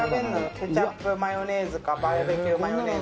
ケチャップマヨネーズかバーベキュー